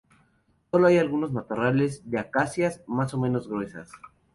Solo hay algunos matorrales de acacias, más o menos gruesas.